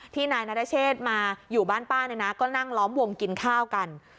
นายนรเชษมาอยู่บ้านป้าเนี่ยนะก็นั่งล้อมวงกินข้าวกัน